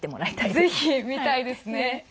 ぜひ見たいですね。